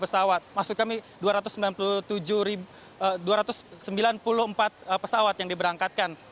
dua ratus sembilan puluh tujuh pesawat maksud kami dua ratus sembilan puluh empat pesawat yang diberangkatkan